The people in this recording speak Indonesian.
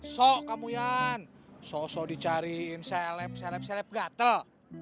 so kamu yan so so dicariin seleb seleb seleb gatel